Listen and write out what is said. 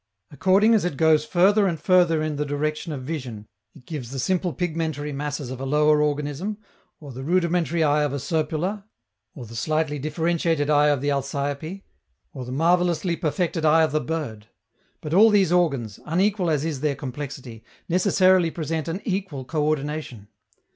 According as it goes further and further in the direction of vision, it gives the simple pigmentary masses of a lower organism, or the rudimentary eye of a Serpula, or the slightly differentiated eye of the Alciope, or the marvelously perfected eye of the bird; but all these organs, unequal as is their complexity, necessarily present an equal coördination.